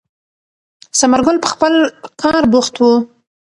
ثمر ګل په خپل کار بوخت و.